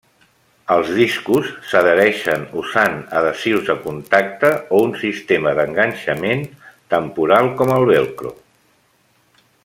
Els discos s'adhereixen usant adhesius de contacte o un sistema d'enganxament temporal com el velcro.